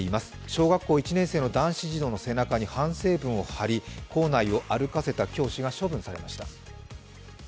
小学校１年生の男子児童の背中に反省文を貼り、校内を歩かせた教師が処分されました。